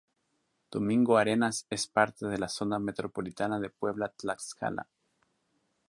Domingo Arenas es parte de la Zona Metropolitana de Puebla-Tlaxcala.